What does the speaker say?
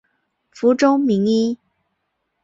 福州名医。